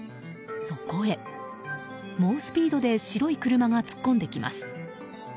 そこへ、猛スピードで白い車が突っ込んできます。